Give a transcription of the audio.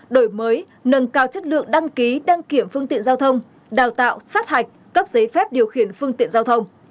đổi mới nâng cao chất lượng đăng ký đăng kiểm phương tiện giao thông đào tạo sát hạch cấp giấy phép điều khiển phương tiện giao thông